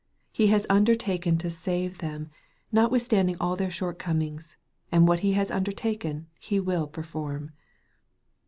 He has undertaken to save them, notwithstanding all their shortcomings, and what He has undertaken He will perform.